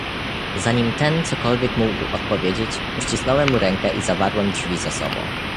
"Zanim ten cokolwiek mógł odpowiedzieć, uścisnąłem mu rękę i zawarłem drzwi za sobą."